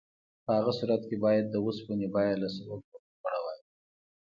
په هغه صورت کې باید د اوسپنې بیه له سرو زرو لوړه وای.